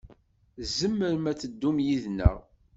Tzemrem ad teddum yid-neɣ.